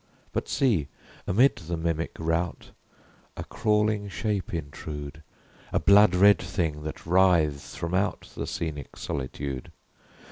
But see, amid the mimic rout, A crawling shape intrude! A blood red thing that writhes from out The scenic solitude!